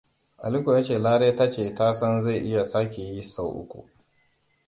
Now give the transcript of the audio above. Aliko ya ce Lare ta ce ta san zai iya sake yi sau uku.